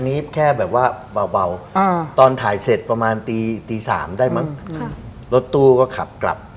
แค่แบบว่าเบาตอนถ่ายเสร็จประมาณตีตีสามได้มั้งรถตู้ก็ขับกลับ